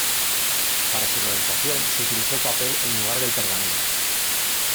Para su realización se utilizó el papel en lugar del pergamino.